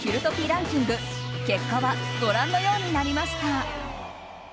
ランキング結果はご覧のようになりました。